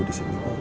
aku disini mau